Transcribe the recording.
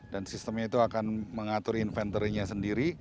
dan sistemnya itu akan mengatur inventory nya sendiri